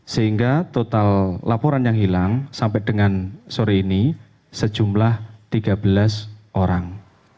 sehingga total laporan yang hilang sampai dengan sore ini sejumlah tiga belas orang